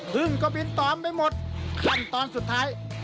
พึ่งก็บินตอมไปหมดขั้นตอนสุดท้าย